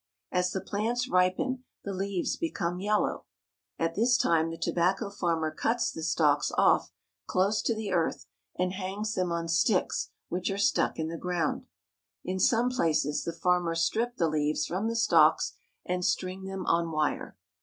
As the plants ripen the leaves become yellow. At this time the tobacco farmer cuts the stalks off close to the earth and hangs them on sticks which are stuck in the ground. In some places the farmers strip the leaves from the stalks and string them on wire.